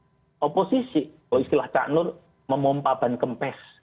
kepala komposisi kalau istilah cak nur memompah ban kempes